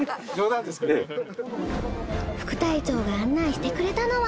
副隊長が案内してくれたのは。